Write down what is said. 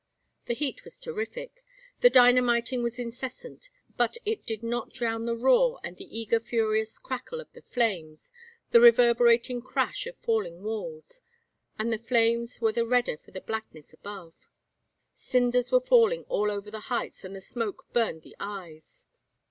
The heat was terrific. The dynamiting was incessant, but it did not drown the roar and the eager furious crackle of the flames, the reverberating crash of falling walls. And the flames were the redder for the blackness above. Cinders were falling all over the heights, and the smoke burned the eyes.